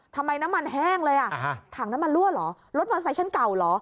ทำไมน้ำมันแห้งเลยอ่ะถังน้ำมันรั่วเหรอรถมอเซชั่นเก่าเหรอ